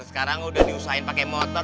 sekarang udah diusahain pakai motor